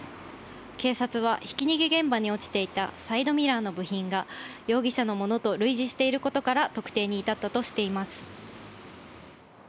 警察はひき逃げ現場に落ちていたサイドミラーの部品が容疑者のものと類似していることから、特定に至ったとしています。